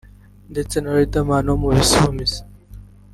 ndetse na Riderman wo mu Ibisumizi”